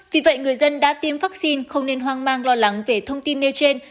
vì vậy người dân đã tiêm vaccine không nên hoang mang lo lắng về thông tin nêu trên